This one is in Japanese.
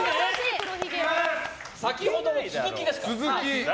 先ほどの続きですから。